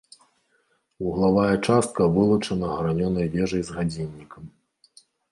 Вуглавая частка вылучана гранёнай вежай з гадзіннікам.